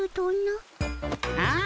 ああ。